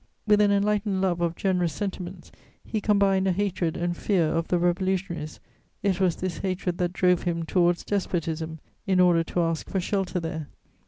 With an enlightened love of generous sentiments, he combined a hatred and fear of the revolutionaries; it was this hatred that drove him towards despotism, in order to ask for shelter there.